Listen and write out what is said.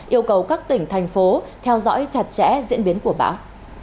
yêu cầu các tỉnh thành phố theo dõi chặt chẽ diễn biến của bão